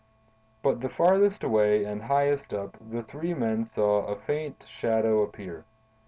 "But farthest away and highest up, the three men saw a faint shadow appear.